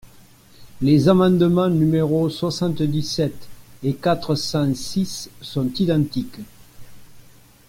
Les amendements numéros soixante-dix-sept et quatre cent six sont identiques.